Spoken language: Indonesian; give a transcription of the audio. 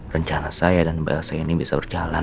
rencana saya dan mbak esa ini bisa berjalan